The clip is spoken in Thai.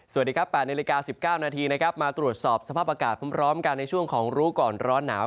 สวัสดีครับ๘นาฬิกา๑๙นาทีนะครับมาตรวจสอบสภาพอากาศพร้อมกันในช่วงของรู้ก่อนร้อนหนาว